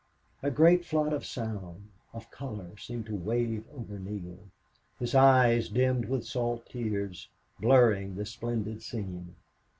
A great flood of sound, of color seemed to wave over Neale. His eyes dimmed with salt tears, blurring the splendid scene.